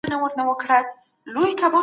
د دین ټولنپوهنه باورونه او عقاید څېړي.